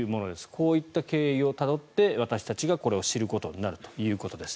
こういった経緯をたどって私たちがこれを知ることになるということです。